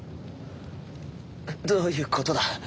どういうことだ？